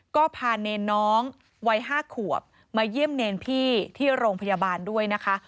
ก็พาเนรน้องวัย๕ขวบมาเยี่ยมเนรพี่ที่โรงพยาบาลด้วยนะคะ